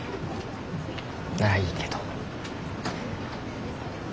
ならいいけど。